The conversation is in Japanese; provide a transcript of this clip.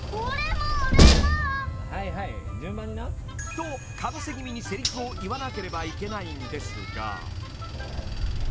［とかぶせ気味にせりふを言わなければいけないんですが］